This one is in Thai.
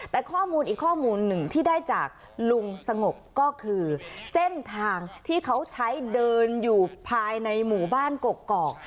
แต่ข้อมูลอีกข้อมูลหนึ่งที่ได้จากลุงสงบก็คือเส้นทางที่เขาใช้เดินอยู่ภายในหมู่บ้านกกอก